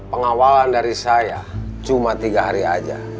pengawalan dari saya cuma tiga hari saja